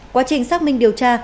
quá trình xác minh điều tra